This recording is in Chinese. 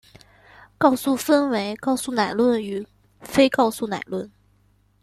告诉分为告诉乃论与非告诉乃论。